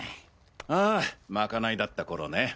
ああ賄いだった頃ね。